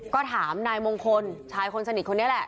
ก็ถามนายมงคลชายคนสนิทคนนี้แหละ